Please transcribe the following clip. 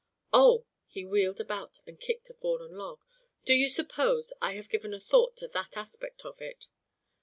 "Oh!" He wheeled about and kicked a fallen log. "Do you suppose I have given a thought to that aspect of it?"